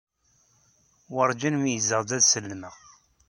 Werǧin meyyzeɣ-d ad sellmeɣ.